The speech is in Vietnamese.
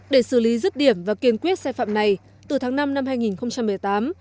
để xử lý rứt điểm và kiên quyết xe phạm này từ tháng năm năm hai nghìn một mươi tám